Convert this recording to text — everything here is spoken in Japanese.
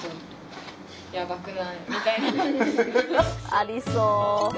ありそう。